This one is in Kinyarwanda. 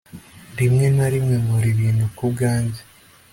rimwe na rimwe, nkora ibintu ku bwanjye